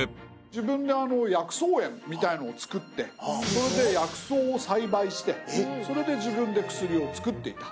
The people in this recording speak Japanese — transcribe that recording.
自分で薬草園みたいなのをつくってそれで薬草を栽培してそれで自分で薬を作っていた。